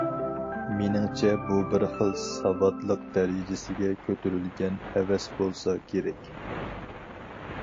مېنىڭچە، بۇ بىر خىل سەۋدالىق دەرىجىسىگە كۆتۈرۈلگەن ھەۋەس بولسا كېرەك.